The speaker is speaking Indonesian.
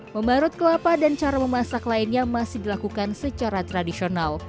membarut kelapa dan cara memasak lainnya masih dilakukan secara tradisional